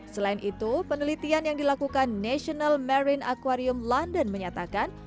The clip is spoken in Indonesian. selain itu penelitian yang dilakukan national marine aquarium london menyatakan